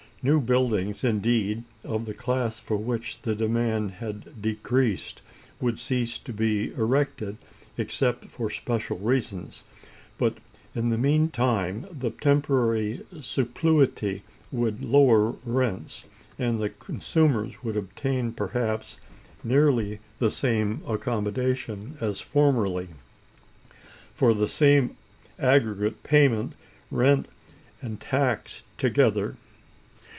New buildings, indeed, of the class for which the demand had decreased, would cease to be erected, except for special reasons; but in the mean time the temporary superfluity would lower rents, and the consumers would obtain, perhaps, nearly the same accommodation as formerly, for the same aggregate payment, rent and tax together.